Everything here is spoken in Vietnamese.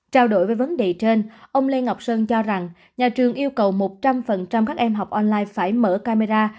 trao đổi với vấn đề trên ông lê ngọc sơn cho rằng nhà trường yêu cầu một trăm linh các em học online phải mở camera